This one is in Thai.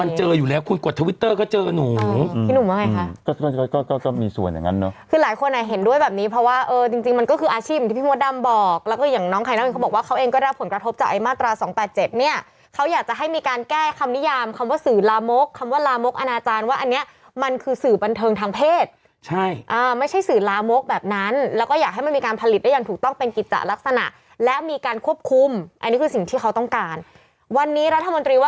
มันเจออยู่แล้วคุณกดทวิตเตอร์ก็เจอกับหนูอืมอืมอืมอืมอืมอืมอืมอืมอืมอืมอืมอืมอืมอืมอืมอืมอืมอืมอืมอืมอืมอืมอืมอืมอืมอืมอืมอืมอืมอืมอืมอืมอืมอืมอืมอืมอืมอืมอืมอืมอืมอืมอืมอืมอืมอืมอ